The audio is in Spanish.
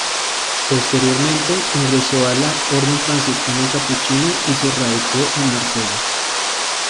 Posteriormente, ingresó a la Orden Franciscana capuchina y se radicó en Marsella.